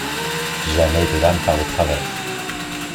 Jamais de lame par le travers.